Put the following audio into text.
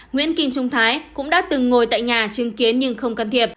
nguyễn kim trung thái cũng đã từng ngồi tại nhà chứng kiến nhưng không can thiệp